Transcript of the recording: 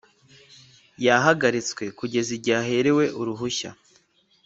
yahagaritswe kugeza igihe aherewe uruhushya